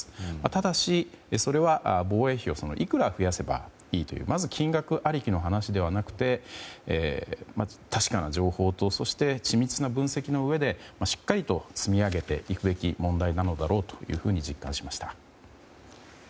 ただし、それは防衛費をいくら増やせばいいというまず金額ありきの話ではなくて確かな情報と緻密な分析のうえでしっかりと積み上げていくべき問題なのだろうと実感しました。